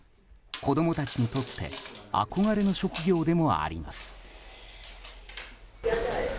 子供たちにとって憧れの職業でもあります。